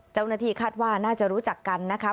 เจ้าหน้าที่คาดว่าน่าจะรู้จักกันนะคะ